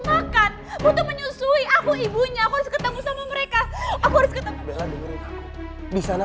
makan butuh menyusui aku ibunya aku ketemu sama mereka aku harus kita bela dengerin aku di sana